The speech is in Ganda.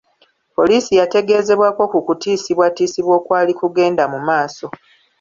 Poliisi yategeezebwako ku kutiisibwatiisibwa okwali kugenda mu maaso.